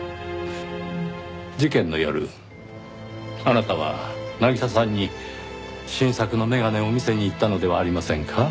事件の夜あなたは渚さんに新作の眼鏡を見せに行ったのではありませんか？